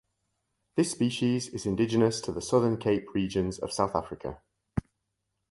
This species is indigenous to the southern Cape regions of South Africa.